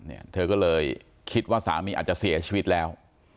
เธอก็เลยคิดว่าสามีอาจจะเสียชีวิตแล้ว